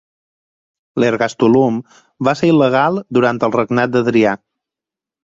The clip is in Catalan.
L'ergastulum va ser il·legal durant el regnat d'Adrià.